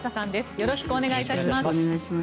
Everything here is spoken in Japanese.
よろしくお願いします。